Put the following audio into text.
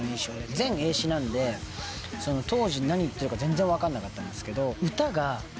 全英詞なんで当時何言ってるか全然分かんなかったんですけど。